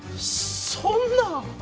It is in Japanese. そんな。